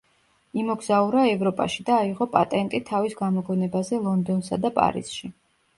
იმოგზაურა ევროპაში და აიღო პატენტი თავის გამოგონებაზე ლონდონსა და პარიზში.